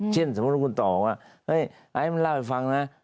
เช่นสมมุติคุณต่อว่าไอ้มันเล่าให้ฟังนะ